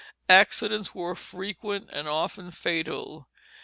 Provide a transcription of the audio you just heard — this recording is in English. Accidents were frequent, and often fatal.